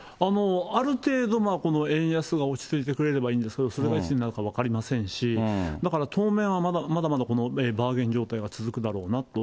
ある程度、円安が落ち着いてくれればいいんですけど、それがいつになるか分かりませんし、だから当面は、まだまだこのバーゲン状態は続くだろうなと。